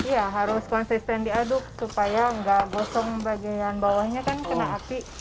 ya harus konsisten diaduk supaya tidak bosong bagian bawahnya kan